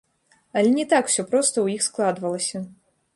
Але не так усё проста ў іх складвалася.